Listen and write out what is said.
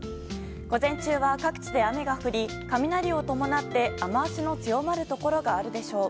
午前中は各地で雨が降り雷を伴って雨脚の強まるところがあるでしょう。